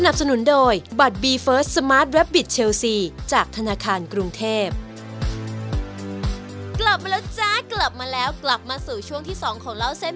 กลับมาแล้วจ๊ะกลับมาแล้วกลับมาสู่ช่วงที่๒ของเล่าเส้น